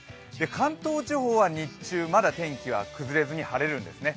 関東地方は日中、まだ天気は崩れずに晴れるんですね。